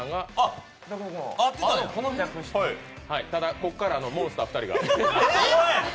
ここからモンスター２人が。